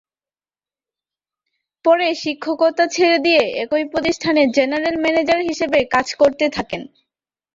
পরে শিক্ষকতা ছেড়ে দিয়ে একই প্রতিষ্ঠানে 'জেনারেল ম্যানেজার' হিসেবে কাজ করতে থাকেন।